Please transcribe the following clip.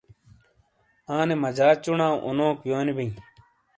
آنے مجا چُوناؤ اونوک ویونی بئیں۔